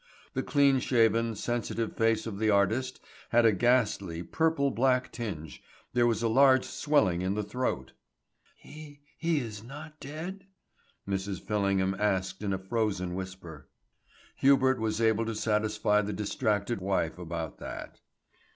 The clean shaven, sensitive face of the artist had a ghastly, purple black tinge, there was a large swelling in the throat. "He he is not dead?" Mrs. Fillingham asked in a frozen whisper. Hubert was able to satisfy the distracted wife on that head.